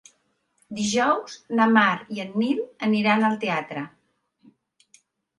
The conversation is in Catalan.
Dijous na Mar i en Nil aniran al teatre.